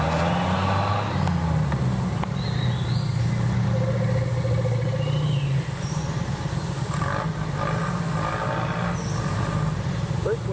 เฮ้ยมันมากเลยอ่ะ